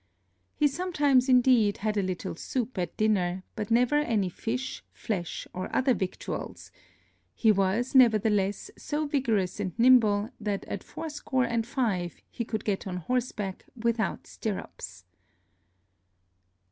He sometimes indeed had a little Soop at Dinner, but never any Fish, Flesh, or other Victuals: He was, nevertheless, so vigorous and nimble, that at fourscore and five, he could get on horseback without Stirrups.